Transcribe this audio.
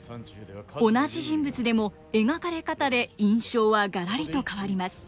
同じ人物でも描かれ方で印象はがらりと変わります。